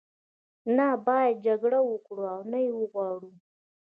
نه باید جګړه وکړو او نه یې وغواړو.